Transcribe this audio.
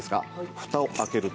フタを開けると。